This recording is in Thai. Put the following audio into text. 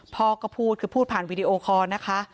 พ่อก็พูดคือพูดผ่านวีดีโอคอร์นะคะ